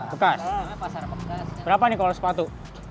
bekas pasar berapa nih kalau sepatu